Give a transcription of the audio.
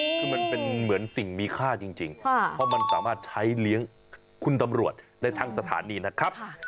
คือมันเป็นเหมือนสิ่งมีค่าจริงเพราะมันสามารถใช้เลี้ยงคุณตำรวจได้ทั้งสถานีนะครับ